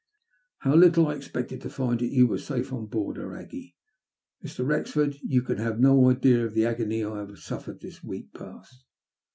How little I expected to find that you were safe on board her, Aggie ! Mr. Wrexf ord, you can have no idea of the agony I have suffered this week past."